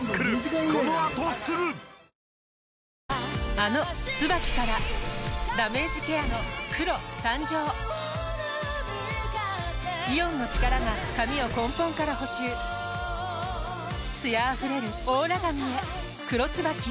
あの「ＴＳＵＢＡＫＩ」からダメージケアの黒誕生イオンの力が髪を根本から補修艶あふれるオーラ髪へ「黒ＴＳＵＢＡＫＩ」